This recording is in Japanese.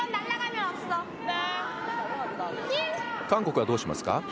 韓国はどうしますか？